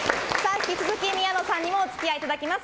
引き続き宮野さんにもお付き合いいただきます。